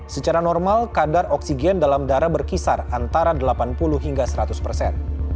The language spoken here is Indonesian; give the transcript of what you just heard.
secara normal kadar oksigen dalam darah berkisar antara delapan puluh hingga seratus persen